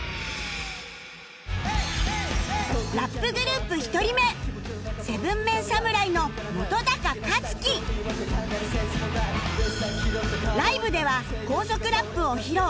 ラップグループ１人目ライブでは高速ラップを披露